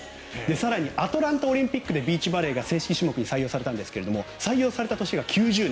更に、アトランタオリンピックでビーチバレーが正式に採用されたんですけど採用された年が９０年。